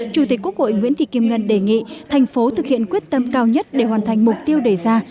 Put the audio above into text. chủ tịch quốc hội nguyễn thị kim ngân đề nghị thành phố thực hiện quyết tâm cao nhất để hoàn thành mục tiêu đề ra